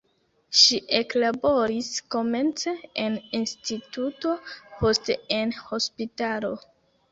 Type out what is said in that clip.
Ŝi eklaboris komence en instituto, poste en hospitalo.